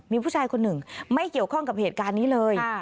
มีผู้ชายคนหนึ่งไม่เกี่ยวข้องกับเหตุการณ์นี้เลย